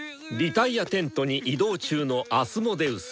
脱落テントに移動中のアスモデウス。